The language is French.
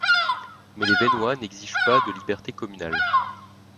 Mais les Veynois n'exigent pas de libertés communales.